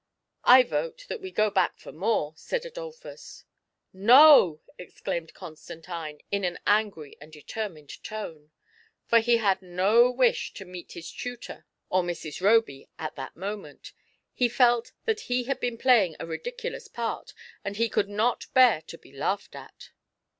" I vote that we go back for more," said Adolphus. " No !" exclaimed Constantine, in an angry and deter mined tone, for he had no wish to meet his tutor or Mrs. Roby at that moment ; he felt that he had been playing a ridiculous part, and he could not bear to be laughed at.